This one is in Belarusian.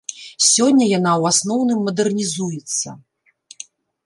Сёння яна ў асноўным мадэрнізуецца.